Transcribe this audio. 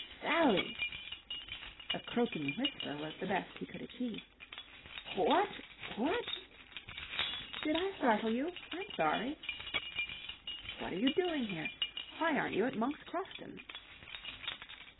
"Sally!" A croaking whisper was the best he could achieve. "What... what...?" "Did I startle you? I'm sorry." "What are you doing here? Why aren't you at Monk's Crofton?"